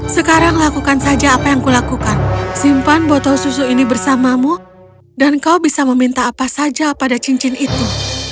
sekarang lakukan saja apa yang kulakukan simpan botol susu ini bersamamu dan kau bisa meminta apa saja pada cincin itu